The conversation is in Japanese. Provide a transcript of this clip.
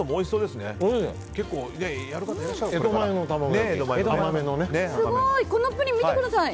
すごい！